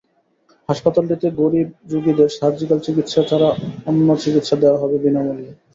হাসপাতালটিতে গরিব রোগীদের সার্জিক্যাল চিকিত্সা ছাড়া অন্যান্য চিকিত্সা দেওয়া হবে বিনা মূল্যে।